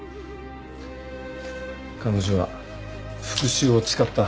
彼女は復讐を誓った。